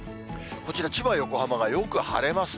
こちら、千葉、横浜がよく晴れますね。